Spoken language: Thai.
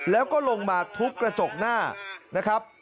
แล้วก็ลงมาทุบกระจกหน้านะครับ